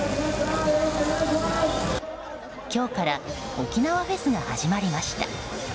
今日から沖縄フェスが始まりました。